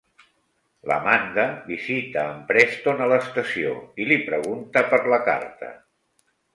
L'Amanda visita en Preston a l'estació i li pregunta per la carta.